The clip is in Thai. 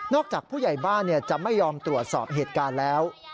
จากผู้ใหญ่บ้านจะไม่ยอมตรวจสอบเหตุการณ์แล้ว